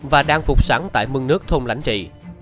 và đang phục sẵn tại mương nước thôn lãnh trị